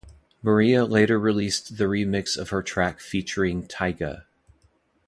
Maria later released the remix of her track featuring Tyga.